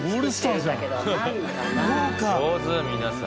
上手皆さん。